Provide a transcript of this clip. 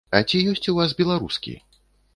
А ці ёсць у вас беларускі?